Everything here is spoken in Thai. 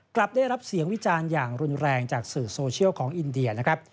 กลับได้รับเสียงวิจารณ์อย่างรุนแรงจากสื่อโซเชียลของอินเดียนะครับ